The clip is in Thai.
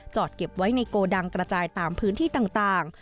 เก็บไว้ในโกดังกระจายตามพื้นที่ต่าง